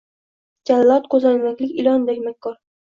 Jallod — ko’zoynakli ilondek makkor